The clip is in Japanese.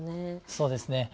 そうですね。